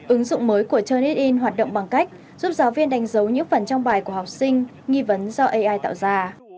ứng dụng mới của tena in hoạt động bằng cách giúp giáo viên đánh dấu những phần trong bài của học sinh nghi vấn do ai tạo ra